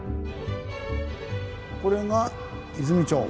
これが「和泉町」。